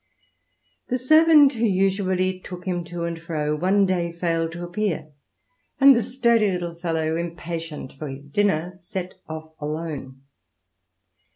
The servant who usually took him to and fro one day failed to appear, and the sturdy little fellow, impatient for his dinner, set off alone.